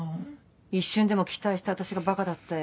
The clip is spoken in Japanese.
一瞬でも期待した私がばかだったよ。